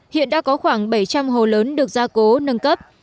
hiện đã có khoảng bảy trăm linh hồ lớn được gia cố nâng cấp